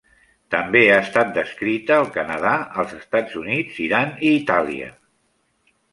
També ha estat descrita al Canadà, els Estats Units, Iran i Itàlia.